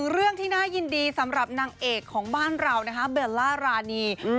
เรื่องที่น่ายินดีสำหรับนางเอกของบ้านเรานะคะเบลล่ารานี